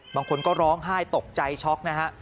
บางคนก็ร้องไห้ตกใจช็อกนะฮะ